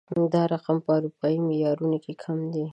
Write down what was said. دا رقم په اروپايي معيارونو کې کم دی